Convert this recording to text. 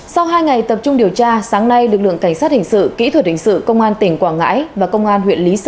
sau hai ngày tập trung điều tra sáng nay lực lượng cảnh sát hình sự kỹ thuật hình sự công an tỉnh quảng ngãi và công an huyện lý sơn